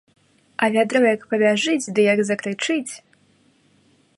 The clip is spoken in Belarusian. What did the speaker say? А вядро як пабяжыць ды як закрычыць.